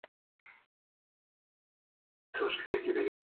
کەس پێ نازانێت.